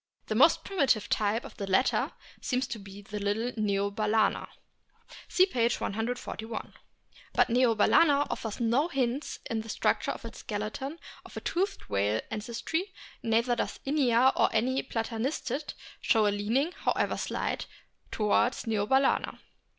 The most primitive type of the latter seems to be the little Neobalezna. (See i So A BOOK OF WHALES p. 141.) But Neobalana offers no hints in the structure of its skeleton of a toothed whale ancestry ; neither does Inia or any Platanistid show a leaning, however slight, towards Neobalcena.